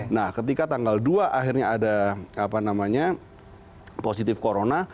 nah ketika tanggal dua akhirnya ada positif corona